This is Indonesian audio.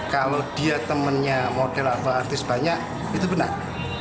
kalau dia temannya model atau artis banyak itu benar